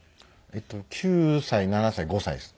９歳７歳５歳です。